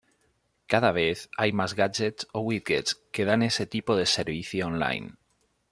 Cada vez hay mas gadgets o widgets que dan ese tipo de servicio online.